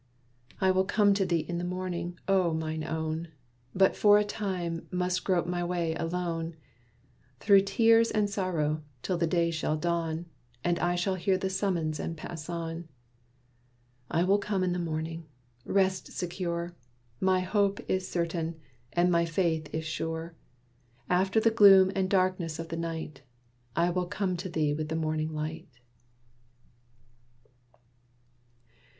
"I will come in the morning, O, mine own! But for a time must grope my way alone, Through tears and sorrow, till the Day shall dawn, And I shall hear the summons, and pass on. "I will come in the morning. Rest secure! My hope is certain and my faith is sure. After the gloom and darkness of the night I will come to thee with the morning light."